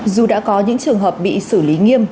dù đã có những trường hợp bị xử lý nghiêm